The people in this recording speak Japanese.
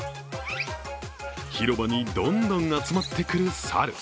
広場にどんどん集まってくる猿。